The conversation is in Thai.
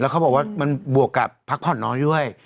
เขาบอกว่ามันบวกกับพักผ่อนน้อยด้วย